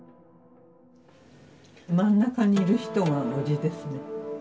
真ん中にいる人が叔父ですね。